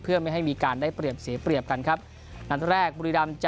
เพื่อไม่ให้มีการได้เปลี่ยนเสียเปรียบกันครับ